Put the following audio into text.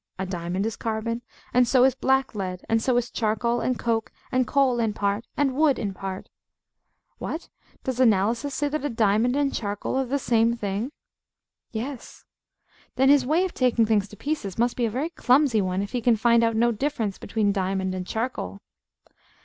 A diamond is carbon; and so is blacklead; and so is charcoal and coke, and coal in part, and wood in part. What? Does Analysis say that a diamond and charcoal are the same thing? Yes. Then his way of taking things to pieces must be a very clumsy one, if he can find out no difference between diamond and charcoal.